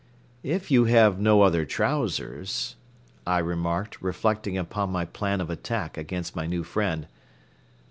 "If you have no other trousers. ..." I remarked, reflecting upon my plan of attack against my new friend.